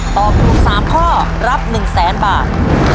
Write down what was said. ตอบถูกสามข้อรับหนึ่งแสนบาท